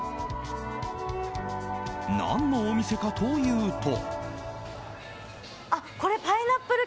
何のお店かというと。